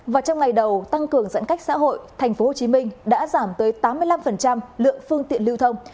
và trong ngày đầu tăng cường giãn cách xã hội tp hcm đã giảm tới tám mươi năm lượng phương tiện lưu thông